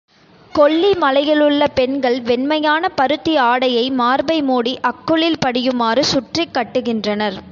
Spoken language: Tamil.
கொல்லி மலையிலுள்ள பெண்கள் வெண்மையான பருத்தி ஆடையை, மார்பை மூடி அக்குளில் படியுமாறு சுற்றிக் கட்டுகின்றனர்.